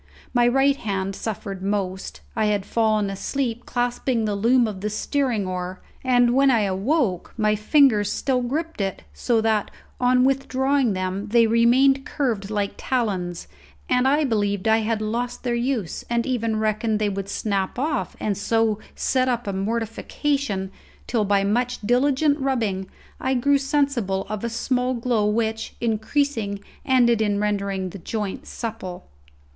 My right hand suffered most; I had fallen asleep clasping the loom of the steering oar, and when I awoke my fingers still gripped it, so that, on withdrawing them, they remained curved like talons, and I believed I had lost their use, and even reckoned they would snap off and so set up a mortification, till by much diligent rubbing I grew sensible of a small glow which, increasing, ended in rendering the joints supple.